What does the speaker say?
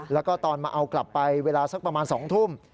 แล้วก็ตอนมาเอากลับไปเวลาสักประมาณ๒ทุ่ม